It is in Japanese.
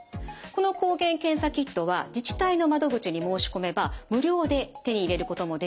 この抗原検査キットは自治体の窓口に申し込めば無料で手に入れることもできますし